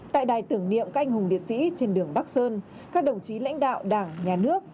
tại đài tưởng niệm các anh hùng liệt sĩ trên đường bắc sơn các đồng chí lãnh đạo đảng nhà nước